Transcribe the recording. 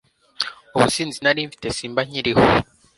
ubusinzi nari mfite simba nkiriho